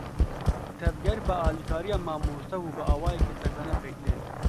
Tevger bi alîkariya mamoste û bi awayekî tekane, pêk tên.